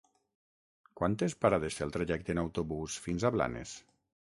Quantes parades té el trajecte en autobús fins a Blanes?